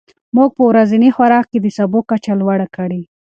موږ په ورځني خوراک کې د سبو کچه لوړه کړې.